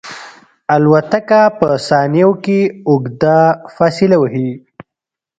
الوتکه په ثانیو کې اوږده فاصله وهي.